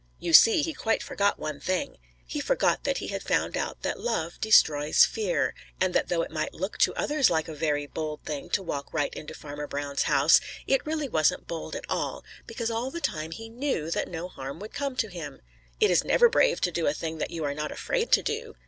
You see, he quite forgot one thing. He forgot that he had found out that love destroys fear, and that though it might look to others like a very bold thing to walk right into Farmer Brown's house, it really wasn't bold at all, because all the time he knew that no harm would come to him. It is never brave to do a thing that you are not afraid to do.